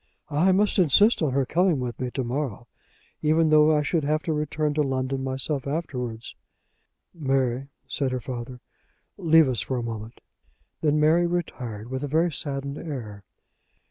"I must insist on her coming with me to morrow, even though I should have to return to London myself afterwards." "Mary," said her father, "leave us for a moment." Then Mary retired, with a very saddened air.